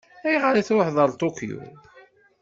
Ayɣer i tṛuḥeḍ ɣer Tokyo?